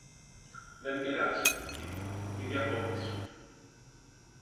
Δεν πειράζει, είπε, μη διακόβεις